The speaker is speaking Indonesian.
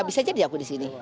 bisa jadi aku disini